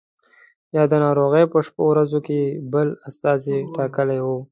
یا د ناروغۍ په شپو ورځو کې بل استازی ټاکلی وو.